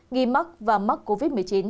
nghi mắc và mắc covid một mươi chín